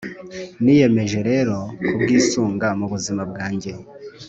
Niyemeje rero kubwisunga mu buzima bwanjye,